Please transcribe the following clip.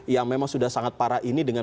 yang memang sudah sangat parah ini dengan